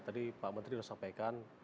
tadi pak menteri sudah sampaikan